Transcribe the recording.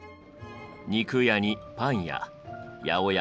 肉屋にパン屋八百屋